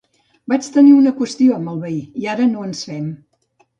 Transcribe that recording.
Vaig tenir una qüestió amb el veí i ara no ens fem.